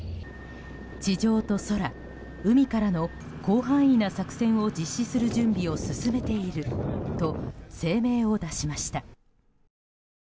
地上と空、海からの広範囲な作戦を実施する準備を進めていると声明を出しました。